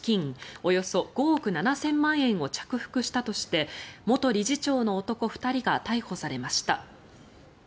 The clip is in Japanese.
およそ５億７０００万円を着服したとして元理事長の男２人が逮捕されました。